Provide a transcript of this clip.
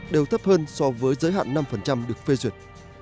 đều thấp hơn so với giới hạn năm được phê duyệt